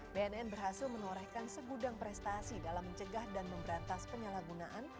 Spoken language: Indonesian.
bnn berhasil menorehkan segudang prestasi dalam mencegah dan memberantas penyalahgunaan